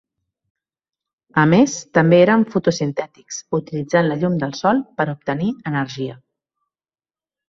A més, també eren fotosintètics, utilitzant la llum del sol per obtenir energia.